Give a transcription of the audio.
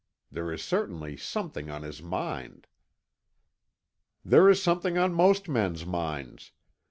There is certainly something on his mind." "There is something on most men's minds.